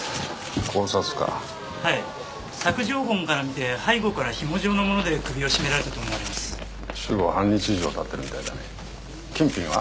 絞殺かはい索状痕から見て背後からひも状のもので首を絞められたと思われます死後半日以上はたってるみたいだね金品は？